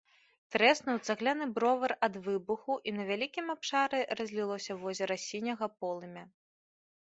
Трэснуў цагляны бровар ад выбуху, і на вялікім абшары разлілося возера сіняга полымя.